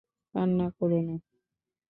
কান্না করো না।